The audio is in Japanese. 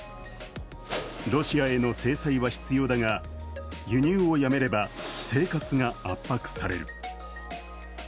ロシアへの制裁は必要だが輸入をやめれば生活が圧迫される。